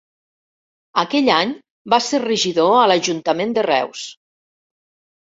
Aquell any va ser regidor a l'Ajuntament de Reus.